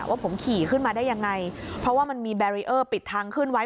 ว่าผมขี่ขึ้นมาได้ยังไงเพราะว่ามันมีแบรีเออร์ปิดทางขึ้นไว้